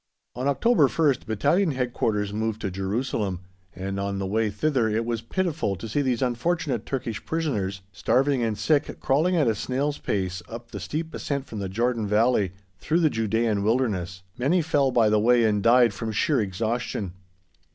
On October 1st Battalion Headquarters moved to Jerusalem, and on the way thither it was pitiful to see these unfortunate Turkish prisoners, starving and sick, crawling at a snail's pace up the steep ascent from the Jordan Valley through the Judæan Wilderness; many fell by the way and died from sheer exhaustion.